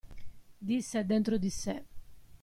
Disse dentro di sè.